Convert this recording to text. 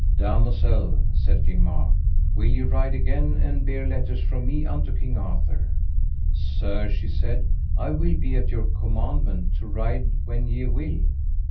Damosel, said King Mark, will ye ride again and bear letters from me unto King Arthur? Sir, she said, I will be at your commandment to ride when ye will.